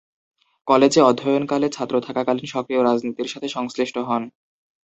কলেজে অধ্যয়নকালে ছাত্র থাকাকালীন সক্রিয় রাজনীতির সাথে সংশ্লিষ্ট হন।